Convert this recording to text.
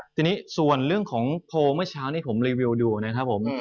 ทีนี้ส่วนเรื่องของโพลเมื่อเช้านี้ผมรีวิวดูนะครับผม